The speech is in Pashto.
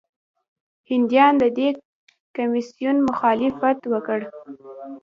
هندیانو د دې کمیسیون مخالفت وکړ.